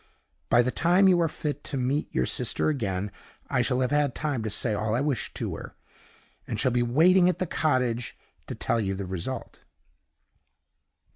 By the time you are fit to meet your sister again, I shall have had time to say all I wish to her, and shall be waiting at the cottage to tell you the result."